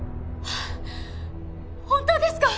本当ですか？